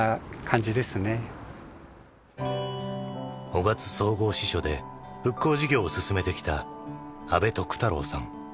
雄勝総合支所で復興事業を進めてきた阿部徳太郎さん。